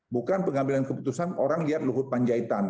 bukan pengambilan keputusan orang lihat luhut panjaitan